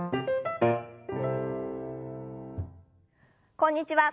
こんにちは。